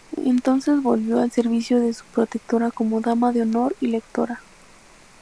Entonces volvió al servicio de su protectora como dama de honor y lectora.